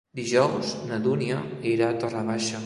Dijous na Dúnia irà a Torre Baixa.